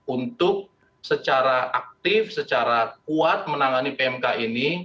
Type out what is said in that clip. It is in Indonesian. untuk secara aktif secara kuat menangani pmk ini